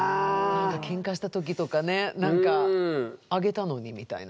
けんかした時とかねなんか「あげたのに」みたいな。